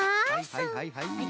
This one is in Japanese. はいはいはいはい。